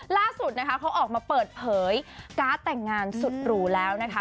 ล่าสุดนะคะเขาออกมาเปิดเผยการ์ดแต่งงานสุดหรูแล้วนะคะ